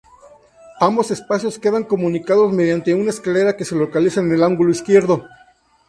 Ambos espacios quedan comunicados mediante una escalera que se localiza en el ángulo izquierdo.